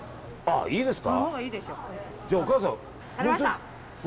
いいですか？